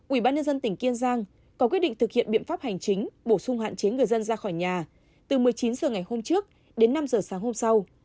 ủy ban nhân dân tỉnh kiên giang có quyết định thực hiện biện pháp hành chính bổ sung hạn chế người dân ra khỏi nhà từ một mươi chín h ngày hôm trước đến năm h sáng hôm sau